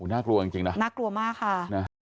น่ากลัวจริงนะน่ากลัวมากค่ะนะ